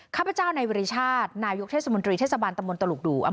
ข้าพเจ้าในวริชาตินายกเทศมนตรีเทศบาลตำบลตลุกดู